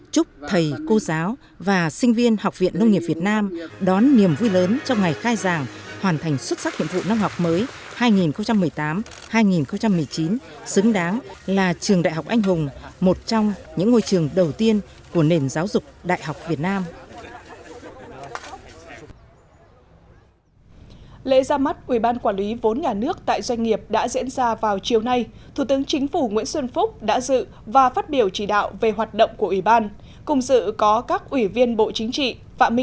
chúc thầy cô giáo và sinh viên học viện nông nghiệp việt nam đón niềm vui lớn trong ngày khai giảng hoàn thành xuất sắc nhiệm vụ nông học mới hai nghìn một mươi tám hai nghìn một mươi chín xứng đáng là trường đại học anh hùng một trong những ngôi trường đầu tiên của nền giáo dục đại học việt nam